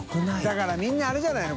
世みんなあれじゃないの？